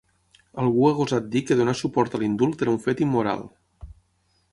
Algú ha gosat dir que donar suport a l’indult era un fet immoral!